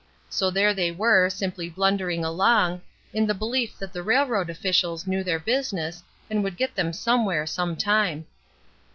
So there they were, simply blundering along, in the belief that the railroad officials knew their business, and would get them somewhere sometime.